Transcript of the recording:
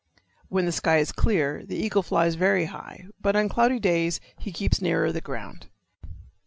When the sky is clear the eagle flies very high, but on cloudy days he keeps nearer the ground.